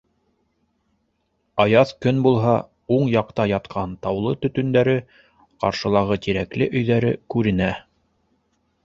Аяҙ көн булһа, уң яҡта ятҡан Таулы төтөндәре, ҡаршылағы Тирәкле өйҙәре күренә.